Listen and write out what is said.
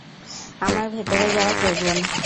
আমার ভেতরে যাওয়া প্রয়োজন।